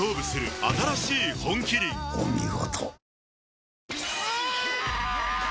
お見事。